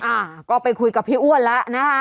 อ่าก็ไปคุยกับพี่อ้วนแล้วนะคะ